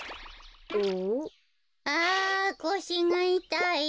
あこしがいたい。